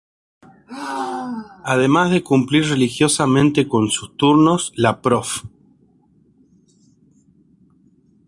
Además de cumplir religiosamente con sus turnos, la Prof.